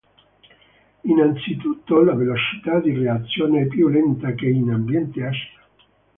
Innanzitutto, la velocità di reazione è più lenta che in ambiente acido.